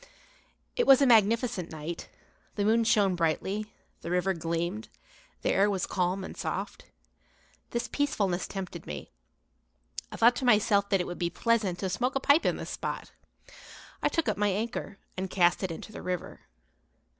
It was a magnificent night, the moon shone brightly, the river gleamed, the air was calm and soft. This peacefulness tempted me. I thought to myself that it would be pleasant to smoke a pipe in this spot. I took up my anchor and cast it into the river.